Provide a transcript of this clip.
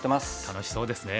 楽しそうですね。